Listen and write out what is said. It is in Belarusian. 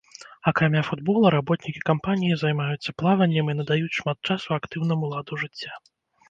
Акрамя футбола, работнікі кампаніі займаюцца плаваннем і надаюць шмат часу актыўнаму ладу жыцця.